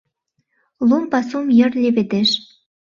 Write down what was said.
Лум пасум йыр леведеш